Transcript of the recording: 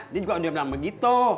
dia juga dia bilang begitu